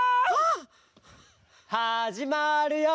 はじまるよ！